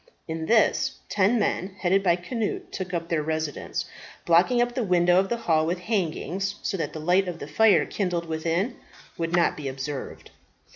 In this, ten men, headed by Cnut, took up their residence, blocking up the window of the hall with hangings, so that the light of the fire kindled within would not be observed.